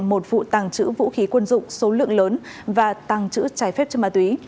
một vụ tàng trữ vũ khí quân dụng số lượng lớn và tàng trữ trái phép chứa ma túy